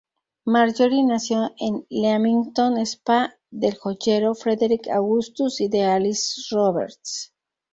Marjorie nació en Leamington Spa del joyero, Frederick Augustus y de Alice Roberts.